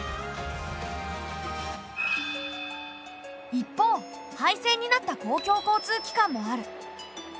一方廃線になった公共交通機関もある。